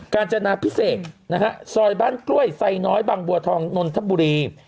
การจนาพิเศษนะฮะซอยบ้านกล้วยไซน้อยบางบัวทองนนทบุรี